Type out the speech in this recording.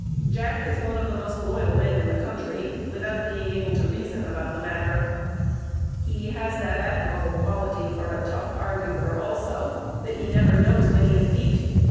Jack is one of the most loyal men in the country, without being able to reason about the matter. He has that admirable quality for a tough arguer, also, that he never knows when he is beat.